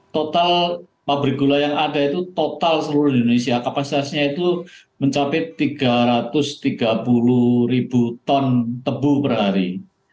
total pabrik gula yang ada itu total seluruh indonesia kapasitasnya itu mencapai tiga ratus tiga puluh ribu ton tebu per hari